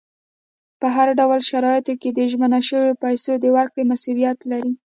په هر ډول شرایطو کې د ژمنه شویو پیسو د ورکړې مسولیت لري.